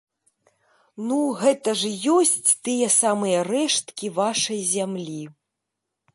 Ну, гэта ж і ёсць тыя самыя рэшткі вашай зямлі.